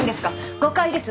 誤解です。